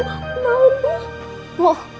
masa allah kena hantu